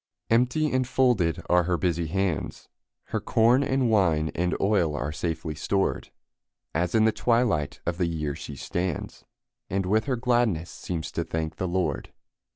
Empty and folded are her busy hands; Her corn and wine and oil are safely stored, As in the twilight of the year she stands, And with her gladness seems to thank the Lord.